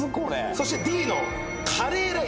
そしてＤの辛ぇライス。